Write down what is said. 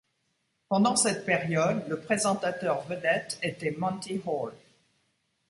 Pendant cette période, le présentateur vedette était Monty Hall.